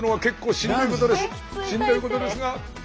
しんどいことですが。